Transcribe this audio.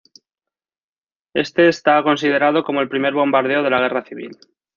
Este está considerado como el primer bombardeo de la guerra civil.